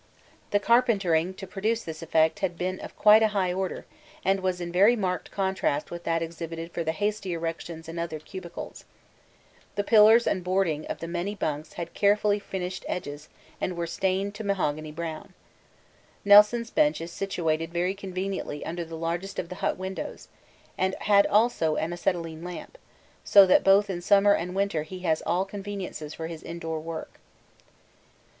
The carpentering to produce this effect had been of quite a high order, and was in very marked contrast with that exhibited for the hasty erections in other cubicles. The pillars and boarding of the bunks had carefully finished edges and were stained to mahogany brown. Nelson's bench is situated very conveniently under the largest of the hut windows, and had also an acetylene lamp, so that both in summer and winter he has all conveniences for his indoor work.